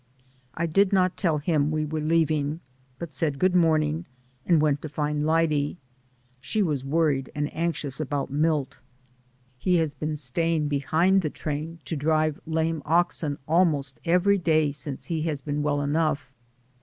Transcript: I did not tell him we were leaving, but said good morning, and went to find Lyde. She was worried and anxious about Milt. He has been staying behind the train to drive lame oxen almost every day since he has been well enough.